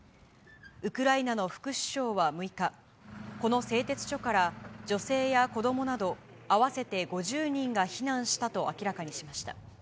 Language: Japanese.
ウクライナの副首相は６日、この製鉄所から女性や子どもなど合わせて５０人が避難したと明らかにしました。